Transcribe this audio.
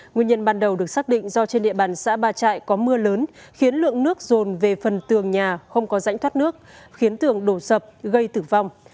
nguyên nhân ban đầu được xác định do trên địa bàn xã ba trại có mưa lớn khiến lượng nước rồn về phần tường nhà không có rãnh thoát nước khiến tường đổ sập gây tử vong